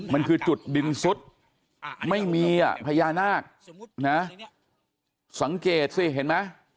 มันคือจุดดินซุดไม่มีอ่ะพญานาคนะสังเกตสิเห็นไหม